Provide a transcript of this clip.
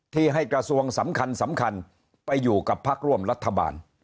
ที่ให้กระทรวงสำคัญไปอยู่กับภักดิ์ร่วมรัฐบาล